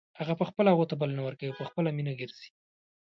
هغه په خپله هغو ته بلنه ورکوي او په خپله مینه ګرځي.